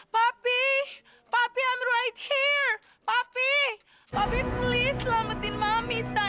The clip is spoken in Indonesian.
papi papi aku disini papi papi tolong selamatkan mami sayang